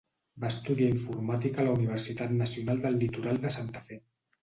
Va estudiar Informàtica a la Universitat Nacional del Litoral de Santa Fe.